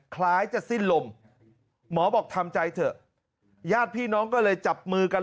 คล้ายจะสิ้นลมหมอบอกทำใจเถอะญาติพี่น้องก็เลยจับมือกัน